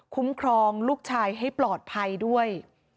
ครองลูกชายให้ปลอดภัยด้วย